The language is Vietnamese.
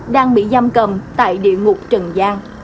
đang bị giam cầm tại địa ngục trần giang